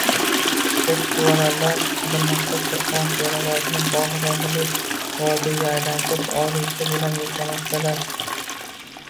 Choʻlquvarlar bir maqsad Surxon, Sherobodni bogʻ-rogʻli vodiyga aylantirish orzusi bilan yashamoqdalar